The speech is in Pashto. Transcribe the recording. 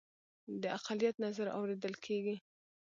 د اقلیت نظر اوریدل کیږي؟